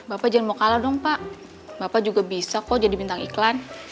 bapak jangan mau kalah dong pak bapak juga bisa kok jadi bintang iklan